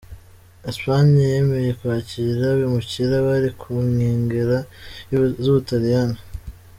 Espagne yemeye kwakira abimukira bari ku nkengera z'Ubutaliyano .